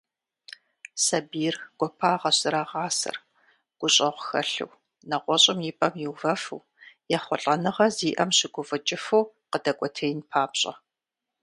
Сабийр гуапагъэщ зэрагъасэр, гущӏэгъу хэлъу, нэгъуэщӏым и пӏэм иувэфу, ехъулӏэныгъэ зиӏэм щыгуфӏыкӏыфу къыдэкӏуэтеин папщӏэ.